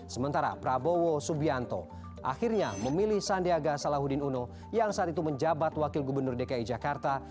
sementara prabowo subianto akhirnya memilih sandiaga salahuddin uno yang saat itu menjabat wakil gubernur dki jakarta